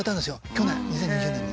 去年２０２０年に。